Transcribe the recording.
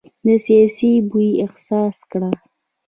دسیسې بوی احساس کړ.